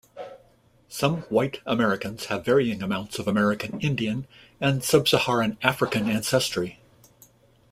Some White Americans have varying amounts of American Indian and Sub-Saharan African ancestry.